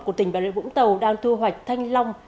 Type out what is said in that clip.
của tỉnh bà rịa vũng tàu đang thu hoạch thanh long